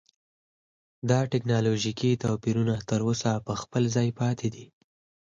دا ټکنالوژیکي توپیرونه تر اوسه په خپل ځای پاتې دي.